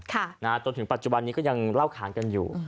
จนถึงปัจจุบันนี้ก็ยังเล่าขานกันอยู่